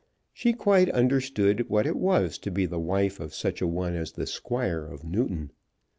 She quite understood what it was to be the wife of such a one as the Squire of Newton.